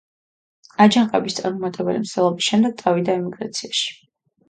აჯანყების წარუმატებელი მცდელობის შემდეგ წავიდა ემიგრაციაში.